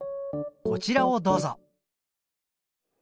こちらをどうぞ。